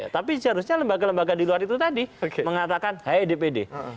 tapi seharusnya lembaga lembaga di luar itu tadi mengatakan hai dpd